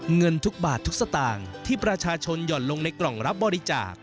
เงินทุกบาททุกสตางค์ที่ประชาชนหย่อนลงในกล่องรับบริจาค